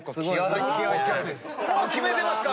もう決めてますか？